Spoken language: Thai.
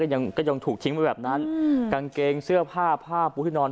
ยังก็ยังถูกทิ้งไว้แบบนั้นกางเกงเสื้อผ้าผ้าปูที่นอน